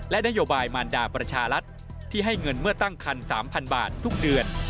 และนโยบายมารดาประชารัฐที่ให้เงินเมื่อตั้งคัน๓๐๐บาททุกเดือน